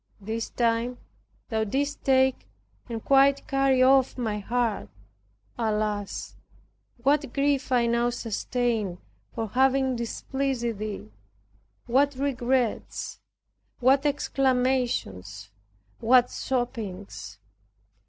This time thou didst take and quite carried off my heart. Alas, what grief I now sustained for having displeased Thee! what regrets, what exclamations, what sobbings!